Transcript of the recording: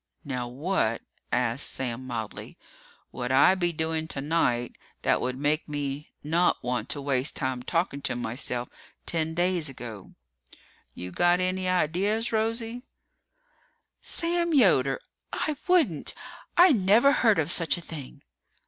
Now what," asked Sam mildly, "would I be doing tonight that would make me not want to waste time talking to myself ten days ago? You got any ideas, Rosie?" "Sam Yoder! I wouldn't! I never heard of such a thing!"